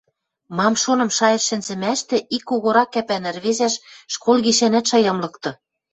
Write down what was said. Мам-шоным шайышт шӹнзӹмӓштӹ ик когорак кӓпӓн ӹрвезӓш школ гишӓнӓт шаям лыкты.